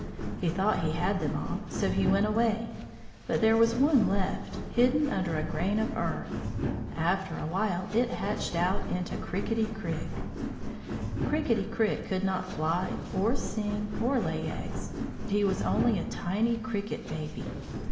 He thought he had them all, so he went away; but there was one left, hidden under a grain of earth. After a while it hatched out into Crikitty Crik. Crikitty Crik could not fly, or sing, or lay eggs, for he was only a tiny cricket baby.